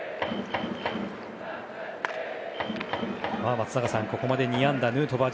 松坂さん、ここまで２安打ヌートバー